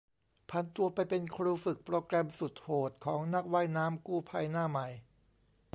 ผันตัวไปเป็นครูฝึกโปรแกรมสุดโหดของนักว่ายน้ำกู้ภัยหน้าใหม่